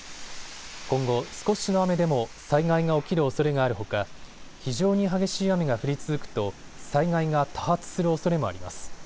今後、少しの雨でも災害が起きるおそれがあるほか非常に激しい雨が降り続くと災害が多発するおそれもあります。